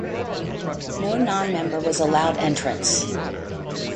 No non-member was allowed entrance.